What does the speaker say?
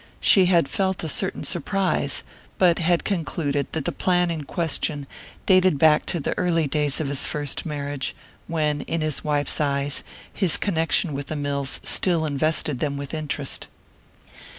She had felt a certain surprise, but had concluded that the plan in question dated back to the early days of his first marriage, when, in his wife's eyes, his connection with the mills still invested them with interest.